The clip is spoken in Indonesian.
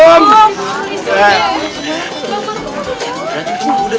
bangun bangun bangun